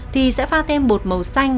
thì sẽ pha thêm bột màu xanh